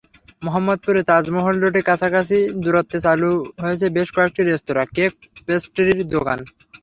মোহাম্মদপুরে তাজমহল রোডে কাছাকাছি দূরত্বে চালু হয়েছে বেশ কয়েকটি রেস্তোরাঁ, কেক-পেস্ট্রির দোকান।